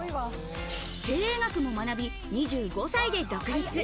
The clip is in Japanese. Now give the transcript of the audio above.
経営学も学び、２５歳で独立。